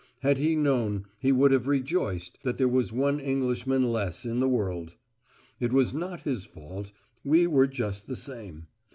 Had he known, he would have rejoiced that there was one Englishman less in the world. It was not his fault. We were just the same.